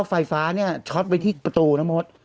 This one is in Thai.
อยู่เสร็จอาพาร์ตเมนต์แล้วไฟฟ้าช็อตไปที่ประตูน้ำมด